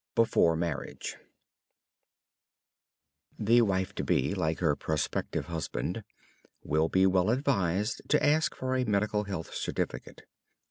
BEFORE MARRIAGE The wife to be, like her prospective husband, will be well advised to ask for a medical health certificate.